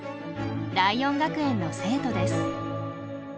ライオン学園の生徒です。